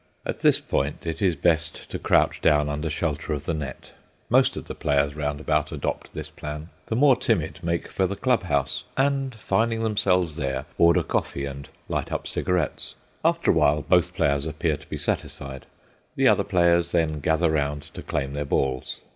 At this point it is best to crouch down under shelter of the net. Most of the players round about adopt this plan; the more timid make for the club house, and, finding themselves there, order coffee and light up cigarettes. After a while both players appear to be satisfied. The other players then gather round to claim their balls.